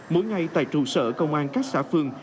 mỗi ngày tại trụ sở công an các xã phường